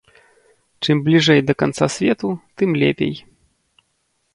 Чым бліжэй да канца свету, тым лепей.